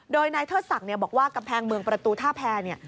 โดยนายเทศักร์เนี่ยบอกว่ากำแพงเมืองประตูท่าแพ้เนี่ย